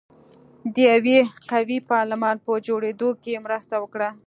د یوه قوي پارلمان په جوړېدو کې مرسته وکړه.